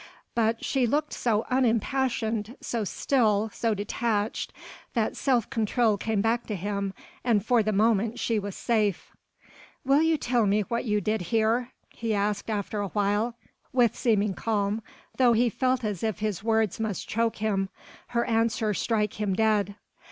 But she looked so unimpassioned, so still, so detached, that self control came back to him, and for the moment she was safe. "Will you tell me what you did hear?" he asked after awhile, with seeming calm, though he felt as if his words must choke him, and her answer strike him dead.